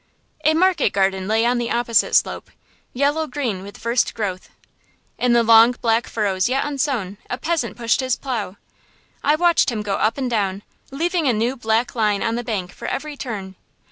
A market garden lay on the opposite slope, yellow green with first growth. In the long black furrows yet unsown a peasant pushed his plow. I watched him go up and down, leaving a new black line on the bank for every turn.